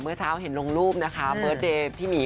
เมื่อเช้าเห็นลงรูปนะคะเบิร์ดเดย์พี่หมี